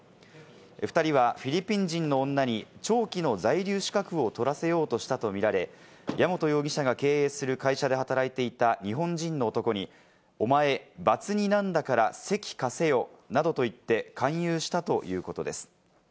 ２人はフィリピン人の女に長期の在留資格を取らせようとしたとみられ、矢本容疑者が経営する会社で働いていた日本人の男に、おまえ、バツ２なんだから籍貸せよなどと言って勧誘したということです。